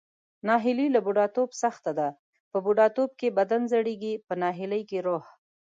ناهیلي له بوډاتوب سخته ده، په بوډاتوب کې بدن زړیږي پۀ ناهیلۍ کې روح.